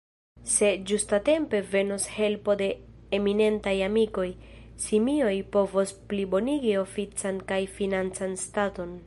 Se ĝustatempe venos helpo de eminentaj amikoj, Simioj povos plibonigi ofican kaj financan staton.